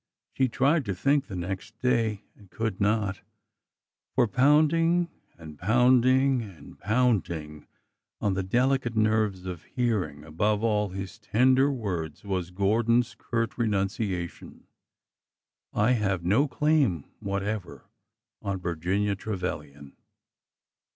She tried to think the next day and could not— for pound ing and pounding and pounding on the delicate nerves of hearing, above all his tender words, was Gordon's curt renunciation,— I have no claim whatever on Virginia Trevilian."